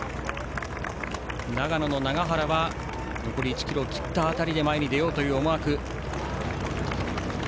長野の永原は残り１ｋｍを切った辺りで前に出ようという思惑。